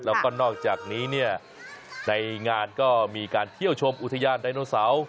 แล้วก็นอกจากนี้เนี่ยในงานก็มีการเที่ยวชมอุทยานไดโนเสาร์